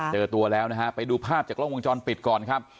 เจอตัวแล้วนะฮะไปดูภาพจากกล้องวงจรปิดก่อนครับ